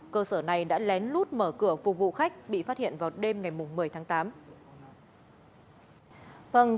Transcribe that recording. cơ sở này đã lén lút mở cửa phục vụ khách bị phát hiện vào đêm ngày một mươi tháng tám